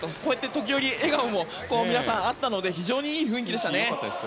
時折、笑顔も皆さんあったので非常にいい雰囲気でしたね。